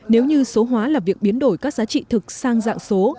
nếu như số hóa là việc biến đổi các giá trị thực sang dạng số